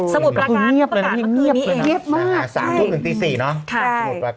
สมุทรปราการพวกเกาะเงียบเลยนะเงียบมาก